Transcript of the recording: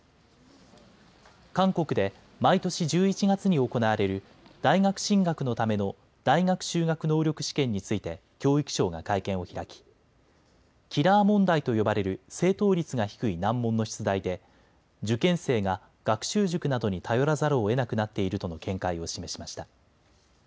韓国で毎年１１月に行われる大学進学のための大学修学能力試験について教育相が会見を開きキラー問題と呼ばれる正答率が低い難問の出題で受験生が学習塾などに頼らざるをえなくなっているとの見解を示しました。